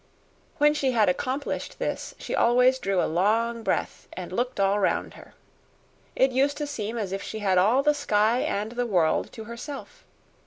When she had accomplished this, she always drew a long breath and looked all round her. It used to seem as if she had all the sky and the world to herself.